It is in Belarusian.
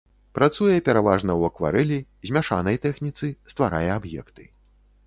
Працуе пераважна ў акварэлі, змяшанай тэхніцы, стварае аб'екты.